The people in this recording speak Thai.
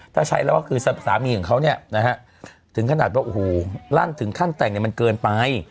ถ้าใช้แล้วก็คือสามีของเขาเนี่ยนะฮะถึงขนาดว่าโอ้โหลั่นถึงขั้นแต่งเนี่ยมันเกินไป